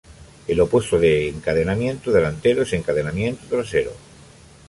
El opuesto de encadenamiento delantero es encadenamiento trasero.